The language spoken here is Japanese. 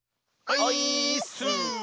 オイーッス！